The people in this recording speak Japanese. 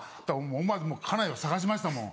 思わず家内を捜しましたもん。